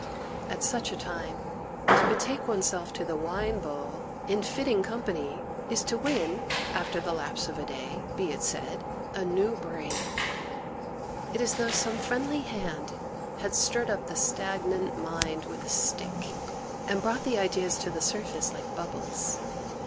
At such a time, to betake oneself to the wine bowl, in fitting com pany, is to win, after the lapse of a day, be it said, a new brain. It is as though some friendly hand had stirred up the stagnant mind with a stick, and brought the ideas to the surface like bubbles.